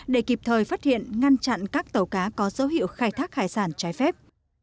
để kịp thời phát hiện ngăn chặn các tàu cá có dấu hiệu khai thác hải sản trái phép